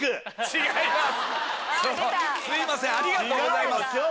違います！